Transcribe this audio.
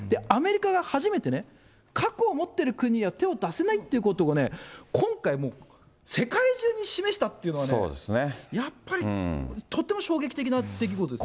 アメリカが初めてね、核を持っている国には手を出せないっていうことをね、今回もう、世界中に示したっていうのはね、やっぱりとっても衝撃的な出来事